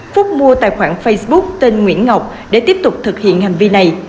phúc mua tài khoản facebook tên nguyễn ngọc để tiếp tục thực hiện hành vi này